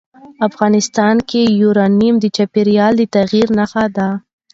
افغانستان کې یورانیم د چاپېریال د تغیر نښه ده.